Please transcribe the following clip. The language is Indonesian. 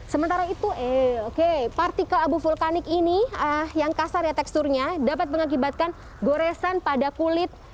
sementara itu eh oke partikel abu vulkanik ini yang kasar ya teksturnya dapat mengakibatkan goresan pada kulit